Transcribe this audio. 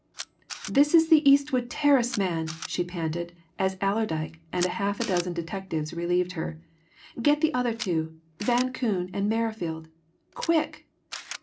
"This is the Eastbourne Terrace man!" she panted as Allerdyke and half a dozen detectives relieved her. "Get the other two Van Koon and Merrifield. Quick!"